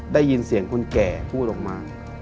ได้ยินเสียงคนแก่พูดออกมา